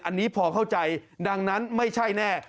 อันนี้พอเข้าใจดังนั้นไม่ใช่แน่